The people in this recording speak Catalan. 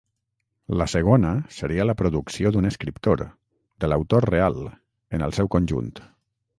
La segona seria la producció d'un escriptor, de l'autor real, en el seu conjunt.